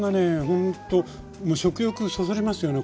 ほんと食欲そそりますよね